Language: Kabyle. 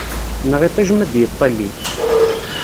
Neɣ iṭij ma d-yiṭṭili.